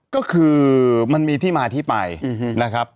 ก็คือมันมีที่มาที่ไปนะครับ